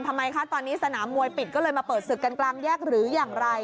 ทำไมคะตอนนี้สนามมวยปิดก็เลยมาเปิดศึกกันกลางแยกหรืออย่างไร